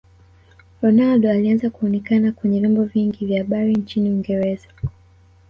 Ronaldo aliaanza kuonekana kwenye vyombo vingi vya habari nchini uingereza